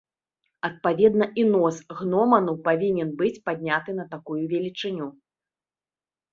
Адпаведна і нос гноману павінен быць падняты на такую велічыню.